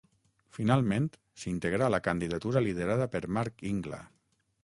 Finalment s'integrà a la candidatura liderada per Marc Ingla.